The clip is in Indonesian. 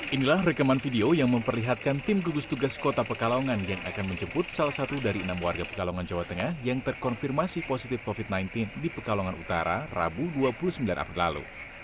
inilah rekaman video yang memperlihatkan tim gugus tugas kota pekalongan yang akan menjemput salah satu dari enam warga pekalongan jawa tengah yang terkonfirmasi positif covid sembilan belas di pekalongan utara rabu dua puluh sembilan april lalu